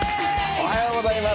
おはようございます。